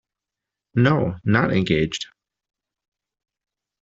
No, not engaged.